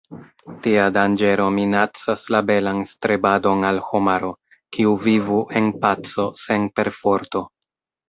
Tia danĝero minacas la belan strebadon al homaro, kiu vivu en paco sen perforto.